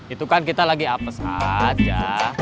itu kan kita lagi apes aja